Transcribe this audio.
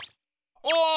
お！